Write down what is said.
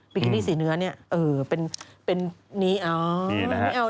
บิกินี่สีเนื้อเนี่ยเออเป็นเป็นนี่อ๋อนี่นะฮะ